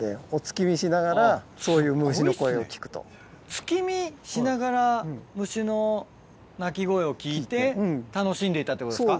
月見しながら虫の鳴き声を聞いて楽しんでいたってことですか？